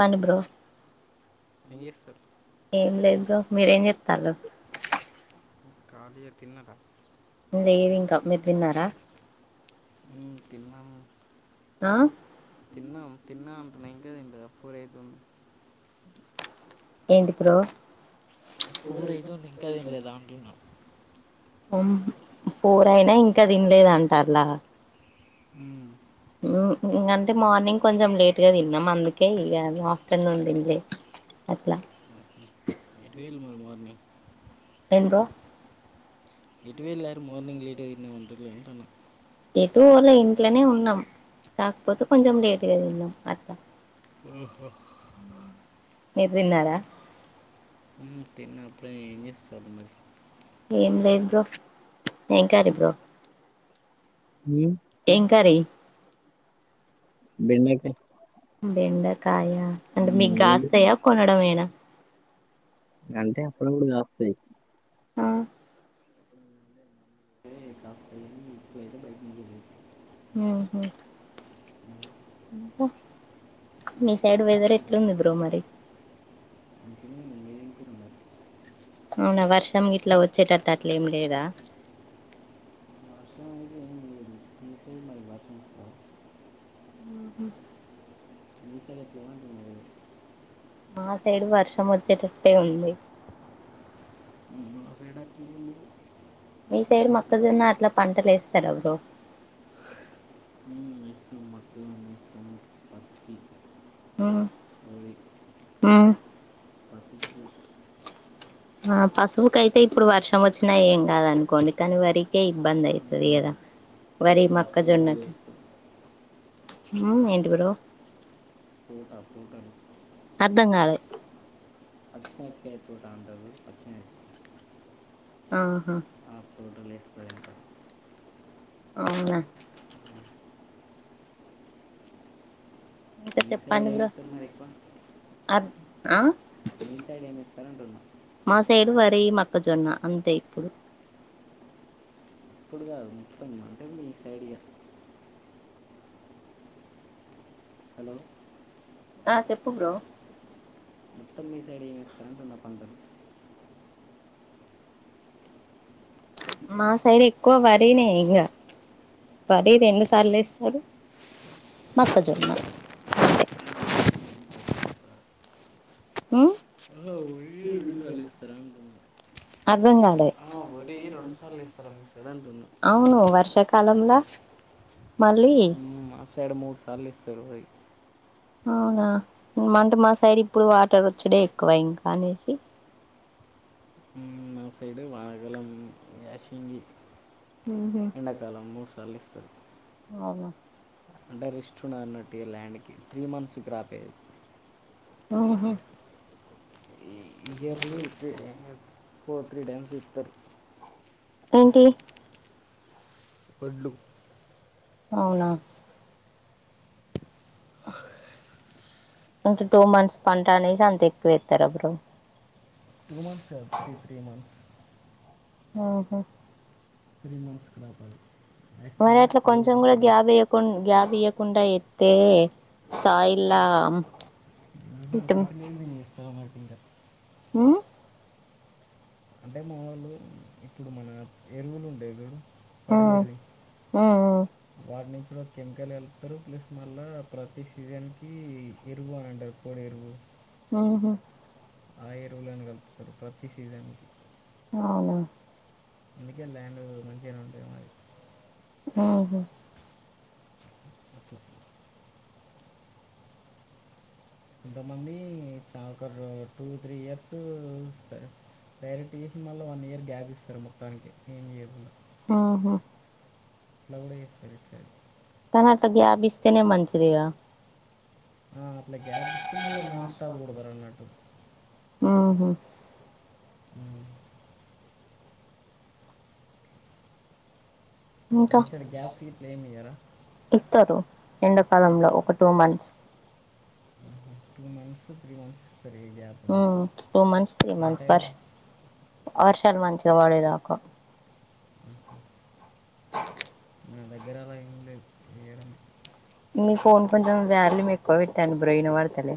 పని బ్రొ ఏం చేస్తరు? ఏం లేదు బ్రో మీరేం చేత్తండారు? కాళియ తిన్నదా? లేదు ఇంకా మీరు తిన్నారా? మ్ తిన్నాము ఆ తిన్నాం తిన్నాం. నైన్కే గ తింటా పూరి అయితుంది. ఏంటి బ్రో? ఫోర్ అయితుంది ఇంకా తినలేదా అంటున్నా ఉమ్ ఫోర్ అయినా ఇంకా తినలేదా అంటాళ్ల. మ్ మ్. ఇంగ్ అంతే మార్నింగ్ కొంచెం లేట్గా తిన్నాం అందుకే ఇగ ఆఫ్టర్నూన్ తిన్లే. అట్లా ఎటు పొయిల్ మరి మార్నింగ్? ఏం బ్రో ఎటువెళ్ళారు మార్నింగ్ లేట్ అయింది అంటన్నా? ఎటు పోలే ఇంట్లోనే ఉన్నాం కాకపోతే కొంచెం లేట్గా తిన్నాం అట్ట. ఒహో మీర్ తిన్నరా? మ్. తిన్న అప్పుడే ఏం చేస్తర్ మరి ఏం లేదు బ్రో ఏం కర్రీ బ్రో? మ్ ఏం కర్రీ? బెండకాయ్ బెండకాయ అంటే మీకు ఏది కాస్తాయా కొనడమేనా? అంటే అప్పుడప్పుడు కాస్తాయ్. ఆఫ్టర్ నూన్ పోయ్యేసి బైట [unintelligible] మ్ హు పొ మీ సైడ్ వెదర్ ఎట్లుంది బ్రో మరి? అంటే అవునా వర్షం గిట్లా వచ్చేటట్టు అట్ల ఏమి లేదా? వర్షం అయితే ఏం లేదు మీ సైడ్ మరి వర్షం వస్తుందా మ్ హు మీ సైడ్ ఎట్లా ఉంటుంది మరి మా సైడ్ వర్షం వచ్చేటట్టే ఉంది. మా సైడ్ అట్లా ఏం లేదు మీ సైడ్ మొక్కజొన్న అట్లా పంటలు వేస్తార బ్రో. మేము ఉమ్ వేస్తాం మక్క వేస్తాం పత్తి ఉమ్ వరి ఉమ్ పసుపు ఆ పశువుకైతే ఇప్పుడు వర్షం వచ్చినా ఏం కాదనుకోండి కానీ వరికే ఇబ్బంది అయితాది కదా? పూట పూటలేస్తూ మ్ ఏంటి బ్రో తోట తోటలు అర్ధం కాలే దాండేవు పచ్చిమిర్చి ఆహా వేస్తారు ఇంకా అవునా ఉమ్. ఇంకా మీ సైడ్ చెప్పండి ఏం బ్రో వేస్తారు మరి ఎక్కువ అద్ ఆ మీ సైడ్ ఏం చేస్తరు అంటున్నా? మా సైడు వరి మొక్కజొన్న అంతే ఇప్పుడు ఇప్పుడు కాదు మొత్తం అంటే మీ సైడ్ ఇగ హలో ఆ చెప్పు బ్రో మొత్తం మీ సైడ్ ఏం ఏస్తారు అంటున్న పంటలు మా సైడ్ ఎక్కువ వరినే ఇంకా వరి రెండు సార్లు ఎస్తారు మక్కజొన్న అంతే ఉమ్ ఇస్తర అంటున్న అర్ధం కాలే సార్లు ఇస్తారా మీ సైడ్ అంటున్నా అవును వర్షక కాలం ల మ్ మా సైడు మూడు సార్లు ఇస్తారు వరి అవునా అంటే మా సైడ్ ఇప్పుడు వాటర్ వచ్చుడే ఎక్కువ ఇంకా అనేసి నా సైడు వానకాలం యాషింగి ఉహు ఎండాకాలం మూడు సార్లు ఇస్తారు అవును అంటే రెస్ట్ ఉండదు అన్నట్టు ల్యాండ్కి త్రీ మంత్స్కి క్రాపే ఆహా yearly three times four three times ఇస్తారు ఏంటి వడ్లు అవునా అ హ్ ఇంకా టూ మంత్స్ పంట అనేసి అంత ఎక్కువ వేస్తారా బ్రో టూ మంత్స్ కాదు త్రీ త్రీ మంత్స్ ఆహా త్రీ మంత్స్ క్రాప్ అది మరి యాక్చువల్గా అట్లా ఫోర్ కొంచెం ఉంటాయి కూడా కదా గ్యాబ్ ఇయ్యకుండా గ్యాప్ ఇయ్యకుండా ఎత్తే సాయిల్లా ఉంహు పంట లేనిది [unintelligible] ఉమ్ అంటే మా వాళ్లు ఇప్పుడు మన ఎరువులు ఉండేవి చూడు ఉమ్ ఫర్టిలైజింగ్ ఉమ్ ఉమ్ వాటి నుంచి కూడా కెమికల్ కలుపుతారు ప్లస్ మళ్ళా ప్రతి సీజన్కి ఎరువు అని అంటారు పొడి ఎరువు [inaudible] ఉమ్ హు ఆ ఎరువులని కలుపుతారు ప్రతి సీజన్కి అవును అందుకే ల్యాండ్ మంచిగానే ఉంటుంది మాది ఉమ్ హు ఓకే ఎంత మంది కాకరు టూ త్రీ ఇయర్స్ ఇస్తారు డైరెక్ట్ చేసి మళ్ళ వన్ ఇయర్ గ్యాప్ ఇస్తారు మొత్తానికె, [unintelligible] ఆహా [unintelligible] తరువాత గ్యాప్ ఇస్తేనే మంచిది కదా ఆ అట్లా గ్యాప్ ఇచ్చి మళ్ళీ నాన్ స్టాప్ కోడతారు అన్నట్టు, ఉ ఊ ఇంకా మిస్డ్ గ్యాప్స్ గిట్ల ఎం ఇస్తారు ఎండకాలంలో ఒక two months two months three months ఇస్తారు ఏ గ్యాప్ ఉ అని టూ మంత్స్ త్రీ ఆ మంత్స్ టైం పర్శ వర్షాలు మంచిగా పడేదాకా [unintelligible] నా దగ్గర అవేమి లేవు క్లియర్ ఉంది. మీ ఫోన్ కొంచెం వాల్యూమ్ ఎక్కువ పెటండి బ్రో వినపడతలే,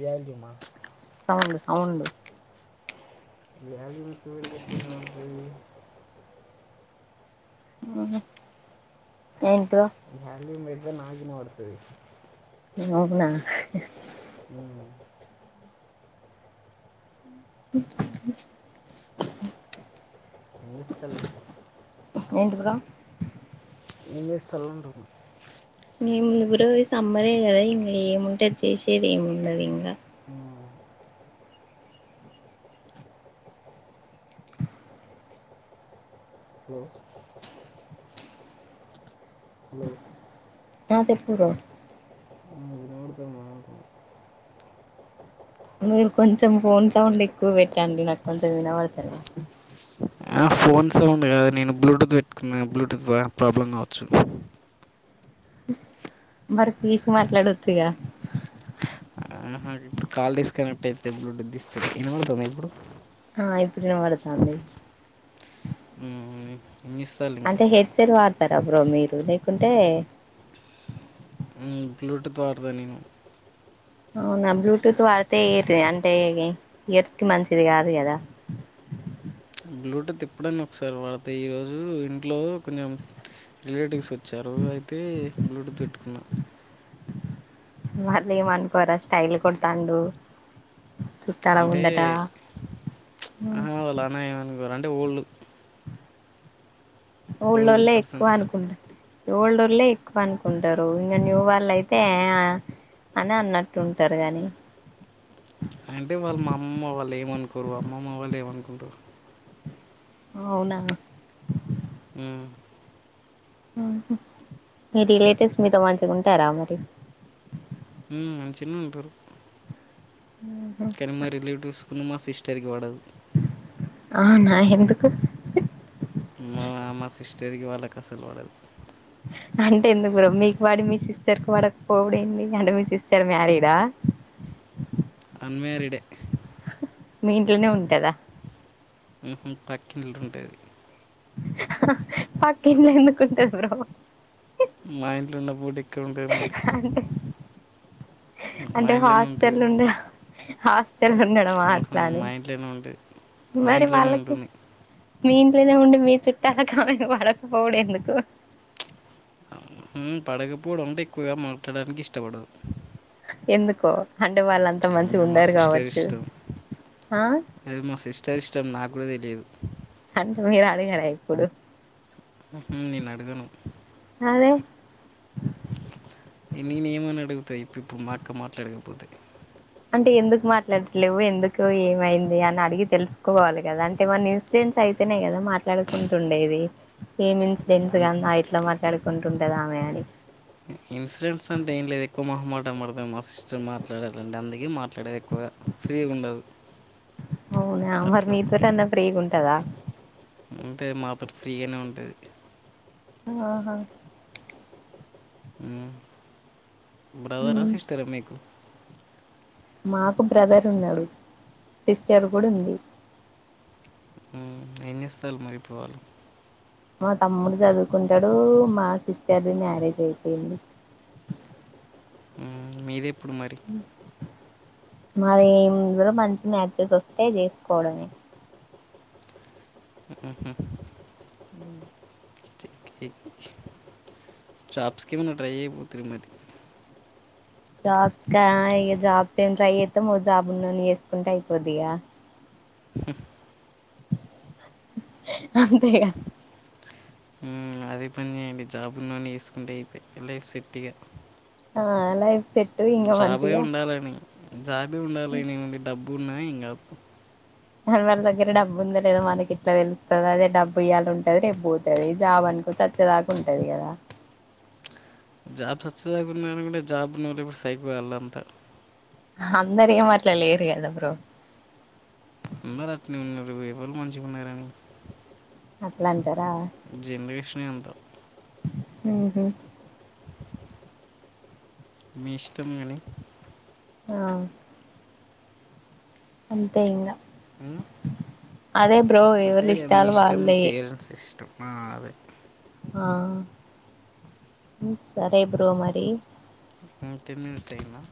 వ్యాల్యూమా సౌండ్ సౌండ్ వ్యాల్యూ ఎక్కువ పెడితే మాకు ఉహు వ్యాల్యూ పెడితే నాకు వినబడుతది. అవునా హు [unintelligible] వినిపిస్తాలే, ఏంటి బ్రో ఏం చేస్తాళ్ళు మేము ఇవరో సమ్మరే కదా ఇంగా ఏముంటది ఇగా చేసేది ఏముండదు ఇంగా, ఊ హలో హలో ఆ చెప్పురా ఎంలే వినపడుతుందా అంటున్న మీరు కొంచెం ఫోన్ సౌండ్ ఎక్కువ పెట్టండి నాకు కొంచెం వినబడతది, ఆ ఫోన్ సౌండ్ కాదా నేను బ్లూటూత్ పెట్టుకున్నా బ్లూటూత్ ప్రాబ్లమ్ కావచ్చు, మరి తీసి మాట్లాడొచ్చుగా, ఇప్పుడు కాల్ డిస్కనెక్ట్ అయితే బ్లూటూత్ తీస్తే వినపడుతుందా ఇప్పుడు ఆ ఇప్పుడు వినపడతాంది. ఉమ్, ఏం చేస్తారు ఇంకా అంటే హెడ్ సెట్ వాడతారా బ్రో మీరు లేకుంటే హు బ్లూటూత్ వాడదా నేను అవునా బ్లూటూత్ వాడితే ఏ అంటే ఇయర్స్ కి మంచిది కాదు కదా, [unintelligible] బ్లూటూత్ ఎప్పుడనా ఒకసారి వాడతా ఈరోజు ఇంట్లో కొంచెం రిలేటివ్స్ వచ్చి, వచ్చారు అయితే బ్లూటూత్ పెట్టుకున్నా, వాళ్లు ఏం అనుకోరా స్టైల్ కొడుతాండు. అంటే అ వాళ్ళ అలా ఏమనుకోరు అంటే ఓల్డ్ ఓల్డ్ ఓళ్లే ఎక్కువ అనుకుంటరు, ఓల్డ్ ఓళ్లే ఎక్కువ అనుకుంటారు ఇంకా న్యూ వాళ్ళు అయితే, అని అన్నట్టు ఉంటారు గాని అంటే వాళ్ళు మా అమ్మమ్మ వాళ్ళు ఏమనుకోరు అమ్మమ్మ వాళ్ళు ఏమనుకుంటారు ఓ అవునా మ్ ఉంహు మీ రిలేటివ్స్ మీతో మంచిగా ఉంటారా మరి మ్ మంచిగానే ఉంటారు కానీ మా రిలేటివ్స్ కూనీ మా సిస్టర్ కి పడదు ఆ నా ఎందుకు మా నాన్న సిస్టర్కి వాళ్ళకి అసలు పడదు అంటే ఎంత దూరం మీకు వాడి మీ సిస్టర్ కి వాడక పోవుడు ఏంది అంటే మీ సిస్టర్ మ్యారీడా అన్మ్యారీడే మీ ఇంట్లోనే ఉంటదా ఈ ఈ పక్కిఇంట్ల ఉంటది. పక్కనే ఎందుకు ఉంటది బ్రో, మా ఇంట్లో ఉన్న పూట ఇక్కడుంటే మరి మా అంటే ఇంట్లోనే ఉంటది హాస్టల్ ఉండ హాస్టల్ ఉండడమా మా అట్లా అని ఇంట్లోనే ఉంటది మా మరి ఇంట్లోనే వాళ్ళకి ఉంటుంది మీ ఇంట్లోనే ఉండి మీ చుట్టాలకు ఆమెకి పడకపోవుడు ఎందుకు మ్ పడకపోవడం ఉంటే ఎక్కువగా మాట్లాడడానికి ఇష్టపడరు ఎందుకో అంటే వాళ్ళంతా మా సిస్టర్ ఇష్టం ఆ అది మా సిస్టర్ ఇష్టం నాకు కూడా తెలియదు అంటే మీరు అడిగారా ఎప్పుడు ఉంహు నేను అడగను అదే నేనేమని అడుగుతాయి ఇప్పు ఇప్పుడు మాక్క మాట్లాడకపోతే అంటే ఎందుకు మాట్లాడట్లేవు ఎందుకు ఏమైంది అని అడిగి తెలుసుకోవాలి కదా అంటే వన్ ఇన్స్ ఫిక్స్ అయితేనే కదా మాట్లాడుకుంటుండేది ఏమి ఇన్సిడెంట్స్ అన్ కద ఇట్లా మాట్లాడుకుంటుండదా పోయాలి ఇన్సిడెంట్స్ అంటే ఎం లేదేక్కువ మొహమాటం పడుతుంది మా సిస్టర్ మాట్లాడాలంటే అందుకే మాట్లాడేది ఎక్కువగా ఫ్రీగా ఉండదు అవునా మరి అట్లా. మీతోట నా ఫ్రీ గా ఉంటదా అంతే మాతోటి ఫ్రీగానే ఉంటది ఆహా బ్రదర్ ఆ ఉమ్. సిస్టర మీకు మాకు బ్రదర్ ఉన్నాడు సిస్టర్ కూడా ఉంది ఎం చేస్తాలు మరి ఇప్పుడు వాళ్ళు మా తమ్ముడు చదువుకుంటాడు మా సిస్టర్ది మ్యారేజ్ అయిపోయింది మీదేప్పుడు మరి మాదే ఇరు మంచి మ్యాచెస్ వస్తే చేసుకోవడమే ఊహు మ్ కే జాబ్స్ కేమో ట్రై చెయిపోతుర్రు మరి జాబ్స్ కా ఇక జాబ్స్ ఏమి ట్రై చేత్తము ఓ జాబ్ ఉనోన్నీ చేసుకుంటే అయిపోద్దిగా ఇక అంతేగా ఏండి జాబ్ వున్నోని చేసుకుంటే అయిపోయి లైఫ్ సెట్టిగా ఆ లైఫ్ సెట్టు ఇంకా మంచిగా జాబ్ ఉండాలి నే డబ్బు ఉన్నా ఇంగా అందరి దగ్గర డబ్బు ఉందొ లేదా మనకి ఇట్లా తెలుస్తుంది అదే డబ్బు ఇయాల ఉంటది రేపూ పోతది జాబ్ అంట చచ్చేదాకుంటది కదా జాబ్ సచ్చేదాకా ఉంది అనుకుంటే జాబ్ ఉన్నవాళ్లు ఇప్పుడు సైకో అంత అందరేమి ఆట్లా లేరు కదా బ్రో అందరు అట్నే ఉన్నారు ఇప్పుడు ఎవరూ మంచిగా ఉన్నారని అట్లంటార జిన్ రేషనే అంత ఊహు మీ ఇష్టం గని ఆ అంతే ఇంగా మ్మ్. అదే బ్రో అంతే ఎవరి ఇగ మీ ఇష్టాలు ఇష్టం మీ వాళ్ళయి పేరెంట్స్ ఇష్టం ఆ అదే ఆ సరే బ్రో మరి మీ టెన్ మినిట్స్ అయిందా